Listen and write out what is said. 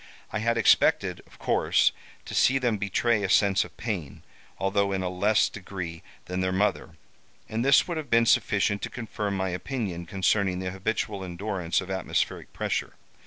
I had expected, of course, to see them betray a sense of pain, although in a less degree than their mother, and this would have been sufficient to confirm my opinion concerning the habitual endurance of atmospheric pressure.